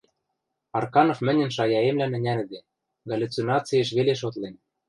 Арканов мӹньӹн шаяэмлӓн ӹнянӹде, галлюцинациэш веле шотлен.